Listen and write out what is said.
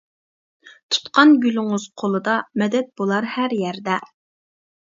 تۇتقان گۈلىڭىز قولدا، مەدەت بولار ھەر يەردە.